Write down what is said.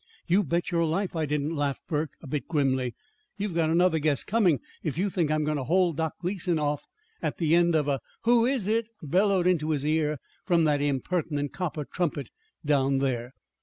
"You bet your life I didn't," laughed Burke, a bit grimly. "You've got another guess coming if you think I'm going to hold Doc Gleason off at the end of a 'Who is it?' bellowed into his ear from that impertinent copper trumpet down there."